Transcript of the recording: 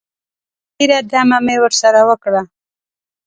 ښه ډېره دمه مې ورسره وکړه.